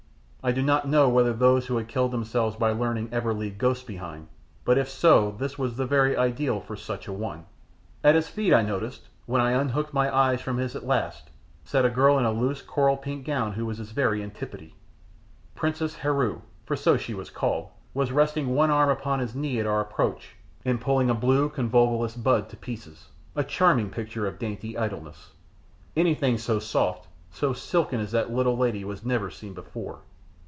I do not know whether those who had killed themselves by learning ever leave ghosts behind, but if so this was the very ideal for such a one. At his feet I noticed, when I unhooked my eyes from his at last, sat a girl in a loose coral pink gown who was his very antipode. Princess Heru, for so she was called, was resting one arm upon his knee at our approach and pulling a blue convolvulus bud to pieces a charming picture of dainty idleness. Anything so soft, so silken as that little lady was never seen before.